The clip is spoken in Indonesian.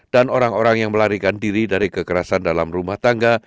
dan orang orang yang melarikan diri dari kekerasan dalam rumah tangga